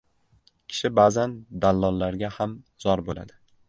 • Kishi ba’zan dallollarga ham zor bo‘ladi.